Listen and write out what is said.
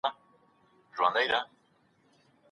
قانون باید په ټولنه کې پلی سي.